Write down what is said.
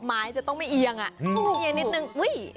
ไม้จะต้องไม่เอียงอ่ะต้องเอียงนิดนึงอุ้ย